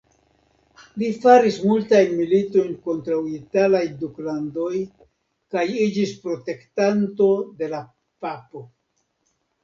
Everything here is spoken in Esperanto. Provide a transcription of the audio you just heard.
Li faris multajn militojn kontraŭ italaj duklandoj kaj iĝis protektanto de la papo.